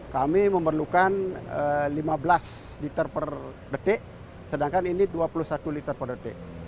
kami memerlukan lima belas liter per detik sedangkan ini dua puluh satu liter per detik